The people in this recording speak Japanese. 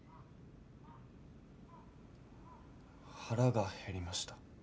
腹が減りました。